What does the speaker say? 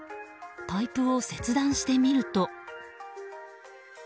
パイプを切断してみると。